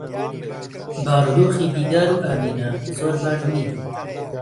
بارودۆخی دیدار و ئامینە زۆر باش نییە.